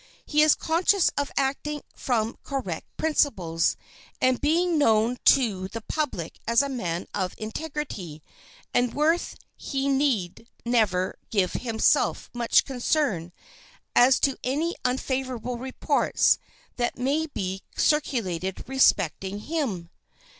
He is conscious of acting from correct principles, and being known to the public as a man of integrity and worth he need never give himself much concern as to any unfavorable reports that may be circulated respecting him.